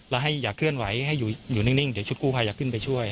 แล้วให้อย่าเคลื่อนไหวให้อยู่นิ่งเดี๋ยวชุดกู้ภัยอยากขึ้นไปช่วย